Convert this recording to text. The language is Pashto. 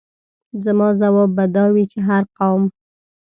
زما ځواب به دا وي چې هر قوم.